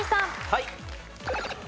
はい。